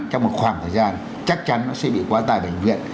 trong một khoảng thời gian chắc chắn nó sẽ bị quá tải tại bệnh viện